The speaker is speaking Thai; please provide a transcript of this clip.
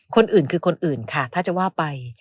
คนอื่นคือคนอื่นค่ะถ้าจะว่าไป